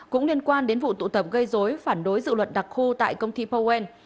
cũng liên quan đến vụ tụ tập gây dối phản đối dự luật đặc khu tại công ty powell